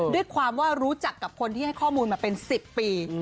ด้วยความว่ารู้จักกับคนที่ให้ข้อมูลมาเป็น๑๐ปี